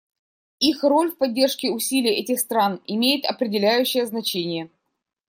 Их роль в поддержке усилий этих стран имеет определяющее значение.